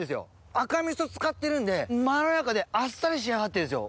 赤味噌使ってるんでまろやかであっさり仕上がってるんですよ。